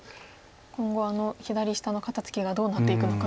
今後左下の肩ツキがどうなっていくのかが。